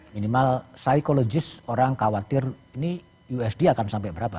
minimal psikologis orang khawatir ini usd akan sampai berapa